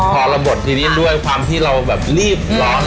พอเราบดทีนี้ด้วยความที่เราแบบรีบร้อน